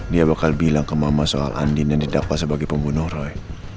dia bakal bilang ke mama soal andin yang didakwa sebagai pembunuh roy